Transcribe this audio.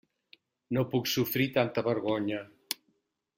No puc sofrir tanta vergonya.